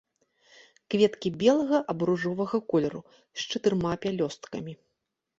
Кветкі белага або ружовага колеру, з чатырма пялёсткамі.